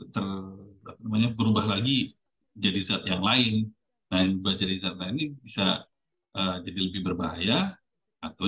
terlalu banyak berubah lagi jadi zat yang lain lain bercerita ini bisa jadi lebih berbahaya atau